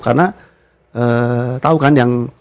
karena tau kan yang